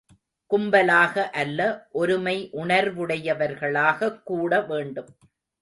கும்பலாக அல்ல ஒருமை உணர்வுடையவர்களாகக் கூட வேண்டும்.